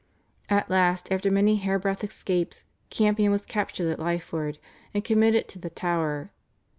At last after many hair breadth escapes Campion was captured at Lyford and committed to the Tower.